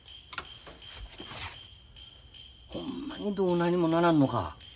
ほんまにどうにもならんのか。